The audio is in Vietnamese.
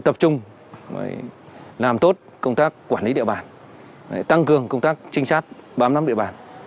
tập trung làm tốt công tác quản lý địa bàn tăng cường công tác trinh sát bám nắm địa bàn